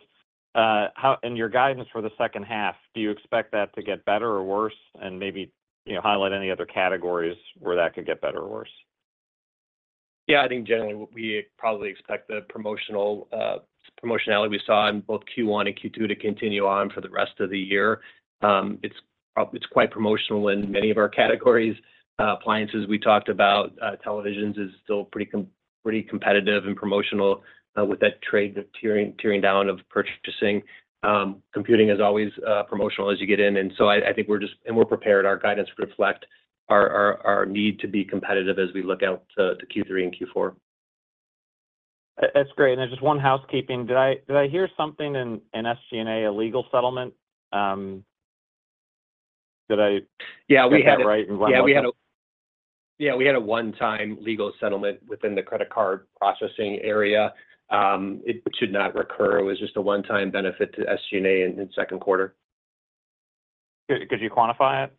How in your guidance for the second half, do you expect that to get better or worse? And maybe, you know, highlight any other categories where that could get better or worse. Yeah, I think generally, we probably expect the promotionality we saw in both Q1 and Q2 to continue on for the rest of the year. It's quite promotional in many of our categories. Appliances, we talked about, televisions is still pretty competitive and promotional, with that trade of tiering down of purchasing. Computing is always promotional as you get in, and so I think we're just... and we're prepared. Our guidance reflect our need to be competitive as we look out to Q3 and Q4. That's great. And then just one housekeeping: Did I hear something in SG&A, a legal settlement? Did I- Yeah, we had a- Get that right? Yeah, we had a- Yeah. Yeah, we had a one-time legal settlement within the credit card processing area. It should not recur. It was just a one-time benefit to SG&A in second quarter. Could you quantify it?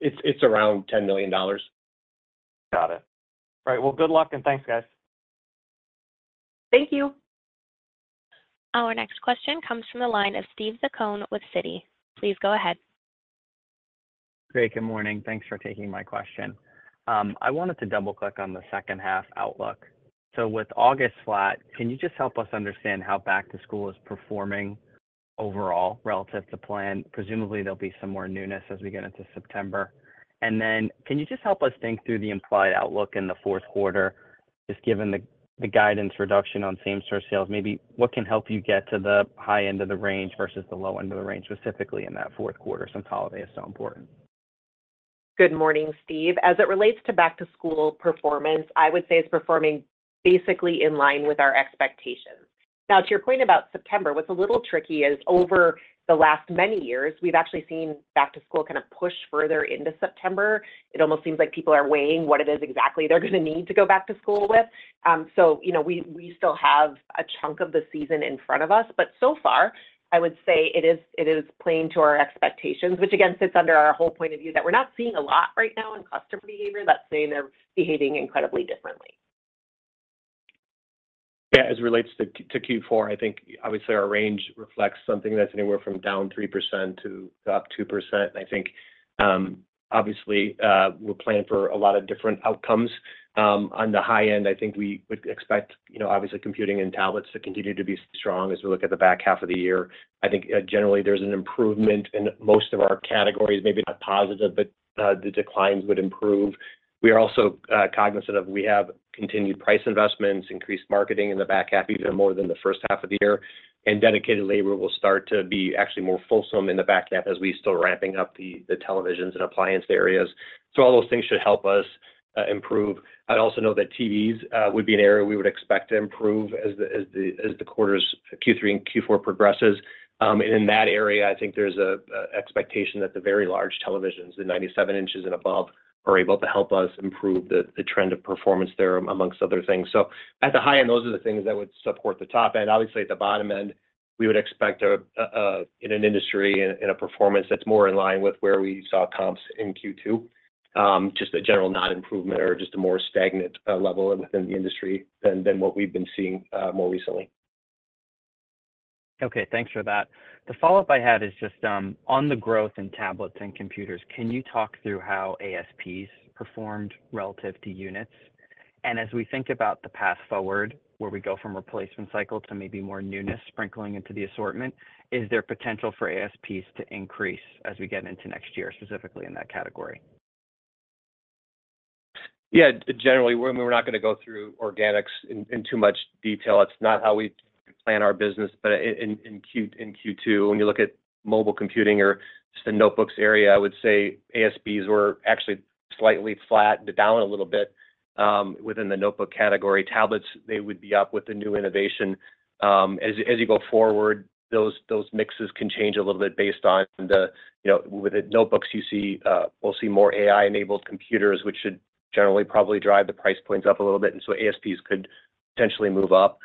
It's around $10 million. Got it. Right, well, good luck, and thanks, guys. Thank you. Our next question comes from the line of Steve Zaccone with Citi. Please go ahead. Great. Good morning. Thanks for taking my question. I wanted to double-click on the second half outlook. So with August flat, can you just help us understand how back to school is performing overall relative to plan? Presumably, there'll be some more newness as we get into September. And then, can you just help us think through the implied outlook in the fourth quarter, just given the guidance reduction on same store sales? Maybe what can help you get to the high end of the range versus the low end of the range, specifically in that fourth quarter, since holiday is so important? Good morning, Steve. As it relates to back to school performance, I would say it's performing basically in line with our expectations. Now, to your point about September, what's a little tricky is over the last many years, we've actually seen back to school kind of push further into September. It almost seems like people are weighing what it is exactly they're going to need to go back to school with. So you know, we still have a chunk of the season in front of us, but so far, I would say it is playing to our expectations, which, again, sits under our whole point of view that we're not seeing a lot right now in customer behavior that's saying they're behaving incredibly differently. Yeah, as it relates to Q4, I think obviously our range reflects something that's anywhere from down 3% to up 2%. And I think obviously we're planning for a lot of different outcomes. On the high end, I think we would expect, you know, obviously, computing and tablets to continue to be strong as we look at the back half of the year. I think generally there's an improvement in most of our categories, maybe not positive, but the declines would improve. We are also cognizant of we have continued price investments, increased marketing in the back half, even more than the first half of the year, and dedicated labor will start to be actually more fulsome in the back half as we're still ramping up the televisions and appliance areas. So all those things should help us improve. I'd also note that TVs would be an area we would expect to improve as the quarters Q3 and Q4 progresses. And in that area, I think there's an expectation that the very large televisions, the ninety-seven inches and above, are able to help us improve the trend of performance there, among other things. So at the high end, those are the things that would support the top end. Obviously, at the bottom end, we would expect in an industry performance that's more in line with where we saw comps in Q2, just a general not improvement or just a more stagnant level within the industry than what we've been seeing more recently. Okay, thanks for that. The follow-up I had is just, on the growth in tablets and computers, can you talk through how ASPs performed relative to units? And as we think about the path forward, where we go from replacement cycle to maybe more newness sprinkling into the assortment, is there potential for ASPs to increase as we get into next year, specifically in that category? Yeah. Generally, we're not gonna go through organics in too much detail. It's not how we plan our business. But in Q2, when you look at mobile computing or just the notebooks area, I would say ASPs were actually slightly flat to down a little bit within the notebook category. Tablets, they would be up with the new innovation. As you go forward, those mixes can change a little bit based on the... You know, with the notebooks you see, we'll see more AI-enabled computers, which should generally probably drive the price points up a little bit, and so ASPs could potentially move up.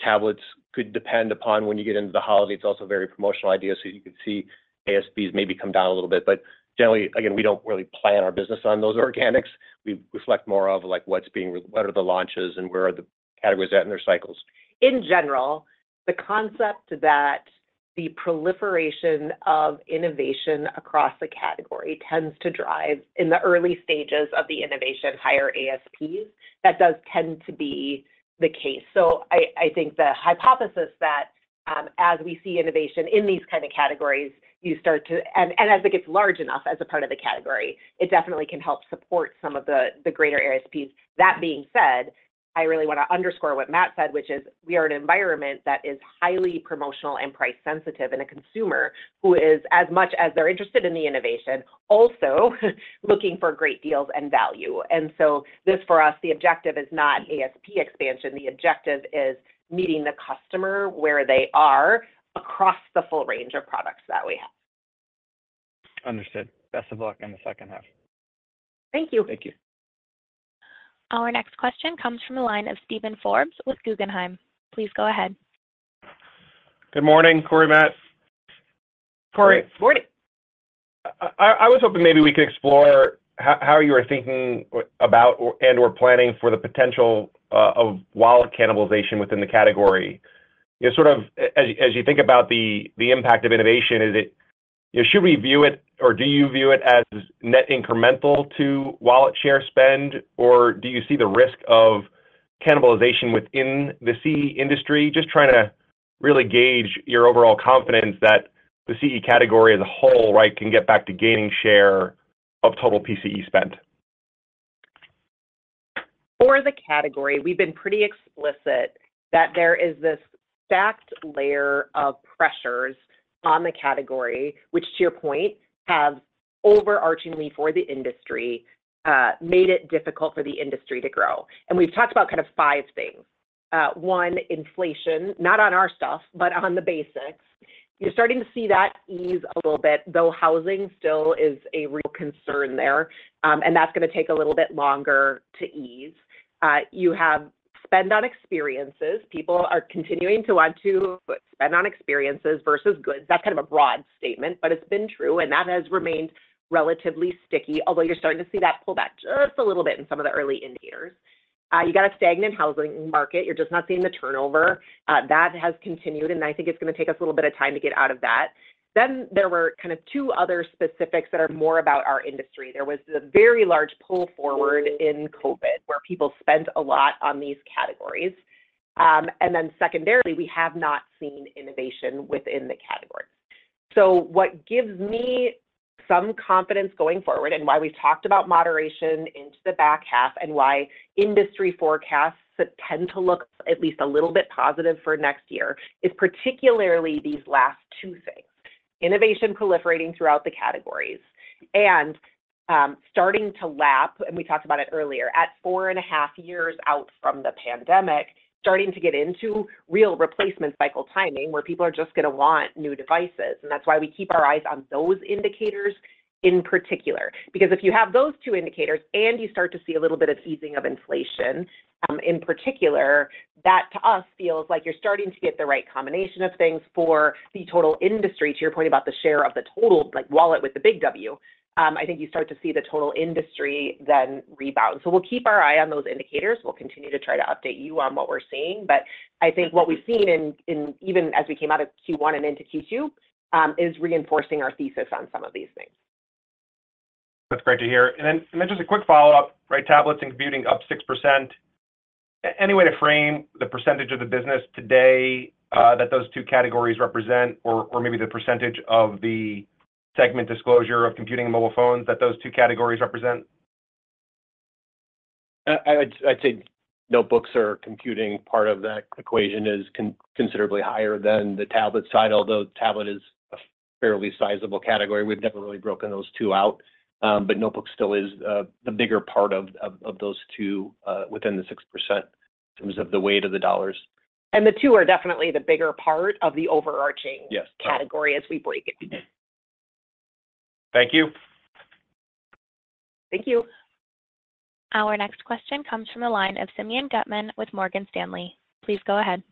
Tablets could depend upon when you get into the holiday. It's also a very promotional idea, so you could see ASPs maybe come down a little bit. But generally, again, we don't really plan our business on those organics. We reflect more of, like, what are the launches and where are the categories at in their cycles?... In general, the concept that the proliferation of innovation across the category tends to drive, in the early stages of the innovation, higher ASPs, that does tend to be the case. So I think the hypothesis that as we see innovation in these kind of categories, you start to and as it gets large enough as a part of the category, it definitely can help support some of the greater ASPs. That being said, I really want to underscore what Matt said, which is we are in an environment that is highly promotional and price sensitive, and a consumer who is, as much as they're interested in the innovation, also looking for great deals and value. So this for us, the objective is not ASP expansion. The objective is meeting the customer where they are across the full range of products that we have. Understood. Best of luck in the second half. Thank you. Thank you. Our next question comes from the line of Steven Forbes with Guggenheim. Please go ahead. Good morning, Corie, Matt. Morning. I was hoping maybe we could explore how you are thinking about or and/or planning for the potential of wallet cannibalization within the category. You know, sort of as you think about the impact of innovation, is it. You know, should we view it or do you view it as net incremental to wallet share spend? Or do you see the risk of cannibalization within the CE industry? Just trying to really gauge your overall confidence that the CE category as a whole, right, can get back to gaining share of total PCE spend. For the category, we've been pretty explicit that there is this stacked layer of pressures on the category, which, to your point, have overarchingly for the industry made it difficult for the industry to grow, and we've talked about kind of five things. One, inflation, not on our stuff, but on the basics. You're starting to see that ease a little bit, though housing still is a real concern there, and that's gonna take a little bit longer to ease. You have spend on experiences. People are continuing to want to spend on experiences versus goods. That's kind of a broad statement, but it's been true, and that has remained relatively sticky, although you're starting to see that pull back just a little bit in some of the early indicators. You got a stagnant housing market. You're just not seeing the turnover. That has continued, and I think it's gonna take us a little bit of time to get out of that, then there were kind of two other specifics that are more about our industry. There was a very large pull forward in COVID, where people spent a lot on these categories, and then secondarily, we have not seen innovation within the categories. So what gives me some confidence going forward, and why we've talked about moderation into the back half, and why industry forecasts that tend to look at least a little bit positive for next year, is particularly these last two things: innovation proliferating throughout the categories and, starting to lap, and we talked about it earlier, at four and a half years out from the pandemic, starting to get into real replacement cycle timing, where people are just gonna want new devices. That's why we keep our eyes on those indicators in particular. Because if you have those two indicators and you start to see a little bit of easing of inflation, in particular, that, to us, feels like you're starting to get the right combination of things for the total industry, to your point, about the share of the total, like wallet with the big W, I think you start to see the total industry then rebound. We'll keep our eye on those indicators. We'll continue to try to update you on what we're seeing, but I think what we've seen in, even as we came out of Q1 and into Q2, is reinforcing our thesis on some of these things. That's great to hear. And then just a quick follow-up, right, tablets and computing up 6%, any way to frame the percentage of the business today that those two categories represent, or maybe the percentage of the segment disclosure of computing and mobile phones that those two categories represent? I'd say notebooks or computing, part of that equation is considerably higher than the tablet side, although tablet is a fairly sizable category. We've never really broken those two out, but notebooks still is the bigger part of those two, within the 6% in terms of the weight of the dollars. The two are definitely the bigger part of the overarching- Yes - category as we break it. Thank you. Thank you. Our next question comes from the line of Simeon Gutman with Morgan Stanley. Please go ahead.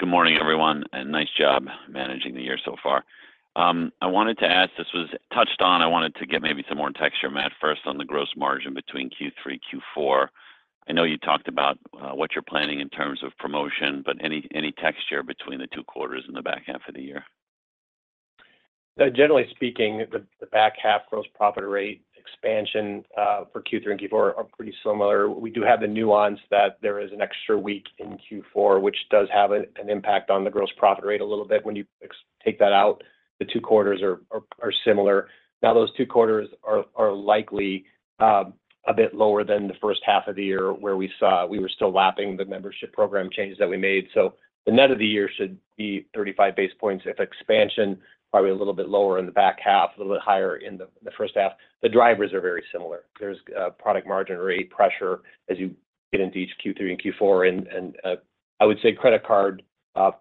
Good morning, everyone, and nice job managing the year so far. I wanted to ask, this was touched on, I wanted to get maybe some more texture, Matt, first on the gross margin between Q3, Q4. I know you talked about what you're planning in terms of promotion, but any texture between the two quarters in the back half of the year? Generally speaking, the back half gross profit rate expansion for Q3 and Q4 are pretty similar. We do have the nuance that there is an extra week in Q4, which does have an impact on the gross profit rate a little bit. When you take that out, the two quarters are similar. Now, those two quarters are likely a bit lower than the first half of the year, where we saw we were still lapping the membership program changes that we made. So the net of the year should be 35 basis points. If expansion, probably a little bit lower in the back half, a little bit higher in the first half. The drivers are very similar. There's product margin rate pressure as you get into each Q3 and Q4, and I would say credit card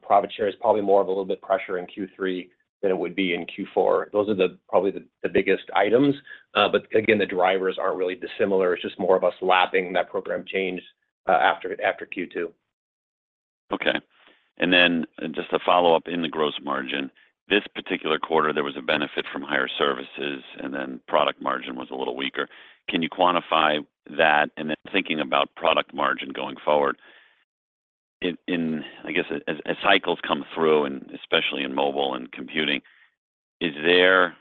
profit share is probably more of a little bit pressure in Q3 than it would be in Q4. Those are probably the biggest items, but again, the drivers aren't really dissimilar. It's just more of us lapping that program change after Q2. Okay. And then just a follow-up in the gross margin, this particular quarter, there was a benefit from higher services, and then product margin was a little weaker. Can you quantify that? And then thinking about product margin going forward, in, I guess, as cycles come through, and especially in mobile and computing, is there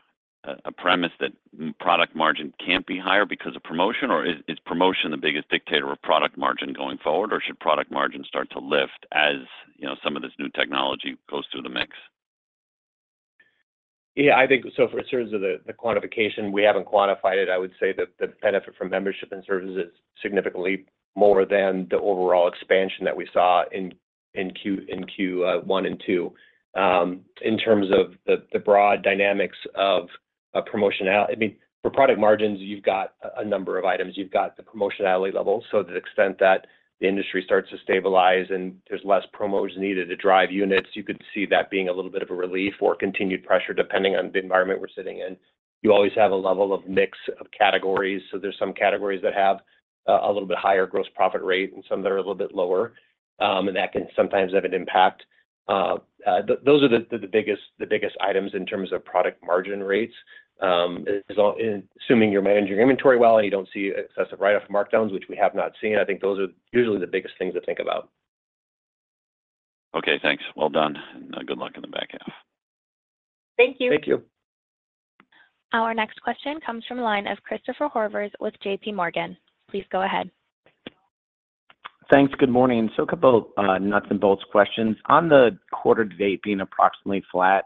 a premise that product margin can't be higher because of promotion, or is promotion the biggest dictator of product margin going forward? Or should product margin start to lift as, you know, some of this new technology goes through the mix? Yeah, I think so in terms of the quantification, we haven't quantified it. I would say that the benefit from membership and services is significantly more than the overall expansion that we saw in Q1 and Q2. In terms of the broad dynamics of a promotional. I mean, for product margins, you've got a number of items. You've got the promotionality level, so to the extent that the industry starts to stabilize and there's less promos needed to drive units, you could see that being a little bit of a relief or continued pressure, depending on the environment we're sitting in. You always have a level of mix of categories, so there's some categories that have a little bit higher gross profit rate and some that are a little bit lower, and that can sometimes have an impact. Those are the biggest items in terms of product margin rates, and assuming you're managing your inventory well, and you don't see excessive write-off markdowns, which we have not seen, I think those are usually the biggest things to think about. Okay, thanks. Well done, and good luck in the back half. Thank you. Thank you. Our next question comes from the line of Christopher Horvers with J.P. Morgan. Please go ahead. Thanks. Good morning. So a couple nuts and bolts questions. On the quarter-to-date being approximately flat,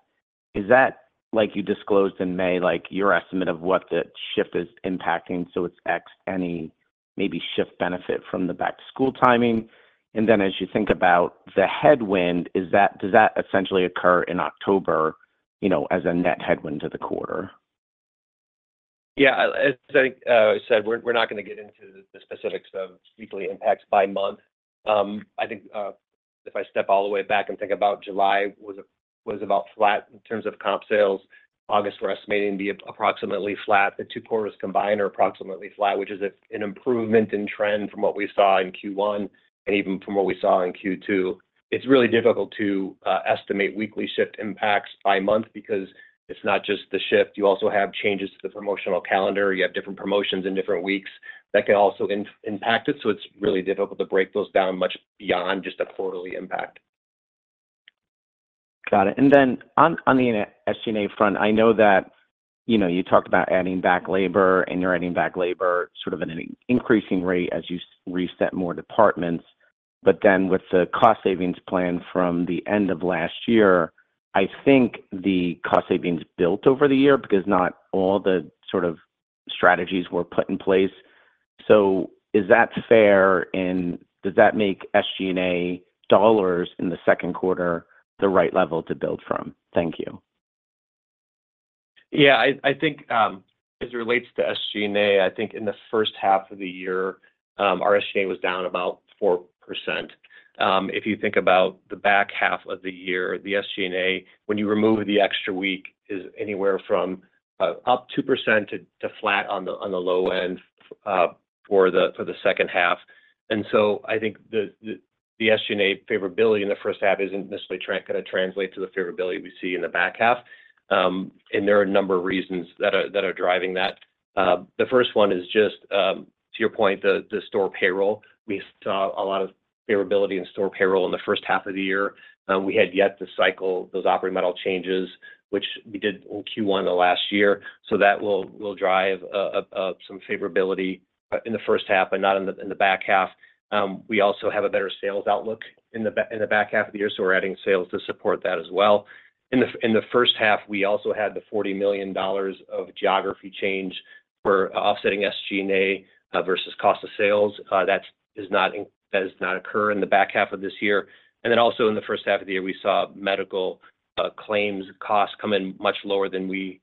is that, like you disclosed in May, like, your estimate of what the shift is impacting, so it's X, any maybe shift benefit from the back-to-school timing? And then as you think about the headwind, is that, does that essentially occur in October, you know, as a net headwind to the quarter? Yeah, as I said, we're not gonna get into the specifics of weekly impacts by month. I think, if I step all the way back and think about July, it was about flat in terms of comp sales. August, we're estimating to be approximately flat. The two quarters combined are approximately flat, which is an improvement in trend from what we saw in Q1 and even from what we saw in Q2. It's really difficult to estimate weekly shift impacts by month because it's not just the shift. You also have changes to the promotional calendar. You have different promotions in different weeks. That can also impact it, so it's really difficult to break those down much beyond just a quarterly impact. Got it. And then on the SG&A front, I know that, you know, you talked about adding back labor, and you're adding back labor sort of at an increasing rate as you reset more departments. But then with the cost savings plan from the end of last year, I think the cost savings built over the year because not all the sort of strategies were put in place. So is that fair, and does that make SG&A dollars in the second quarter the right level to build from? Thank you. Yeah, I think as it relates to SG&A, I think in the first half of the year our SG&A was down about 4%. If you think about the back half of the year, the SG&A, when you remove the extra week, is anywhere from up 2% to flat on the low end for the second half. And so I think the SG&A favorability in the first half isn't necessarily gonna translate to the favorability we see in the back half. And there are a number of reasons that are driving that. The first one is just to your point, the store payroll. We saw a lot of favorability in store payroll in the first half of the year. We had yet to cycle those operating model changes, which we did in Q1 of last year. So that will drive some favorability in the first half but not in the back half. We also have a better sales outlook in the back half of the year, so we're adding sales to support that as well. In the first half, we also had the $40 million of geography change. We're offsetting SG&A versus cost of sales. That does not occur in the back half of this year. And then also in the first half of the year, we saw medical claims costs come in much lower than we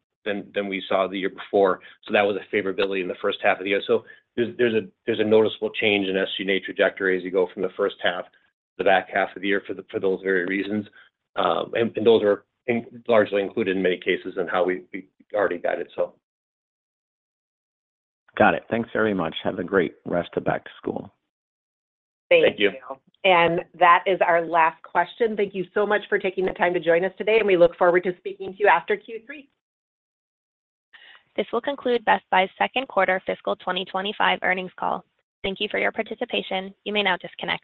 saw the year before, so that was a favorability in the first half of the year. So there's a noticeable change in SG&A trajectory as you go from the first half to the back half of the year for those very reasons, and those are largely included in many cases in how we already guided, so... Got it. Thanks very much. Have a great rest of back to school. Thank you. Thank you, and that is our last question. Thank you so much for taking the time to join us today, and we look forward to speaking to you after Q3. This will conclude Best Buy's second quarter fiscal twenty twenty-five earnings call. Thank you for your participation. You may now disconnect.